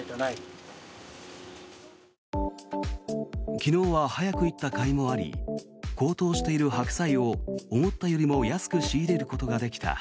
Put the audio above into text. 昨日は早く行ったかいもあり高騰している白菜を思ったよりも安く仕入れることができた。